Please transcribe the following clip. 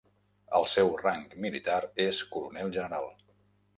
El seu rang militar és coronel-general.